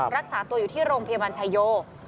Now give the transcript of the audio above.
รักษาตัวอยู่ที่โรงพยาบาลชายโย